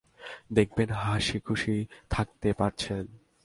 দেখবেন হাসিখুশি থাকতে পারছেন।